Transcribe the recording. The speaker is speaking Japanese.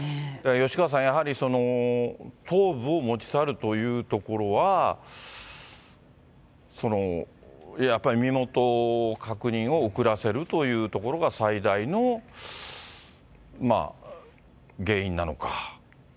吉川さん、やはり頭部を持ち去るというところは、やっぱり身元確認を遅らせるというところが最大の原因なのか。